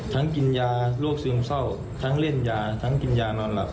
กินยาโรคซึมเศร้าทั้งเล่นยาทั้งกินยานอนหลับ